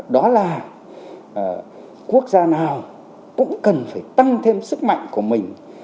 đó là quốc gia nào cũng cần phải tăng thêm sức mạnh của mình